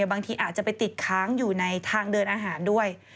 บางทีอาจจะไปติดค้างอยู่ในทางเดินอาหารด้วย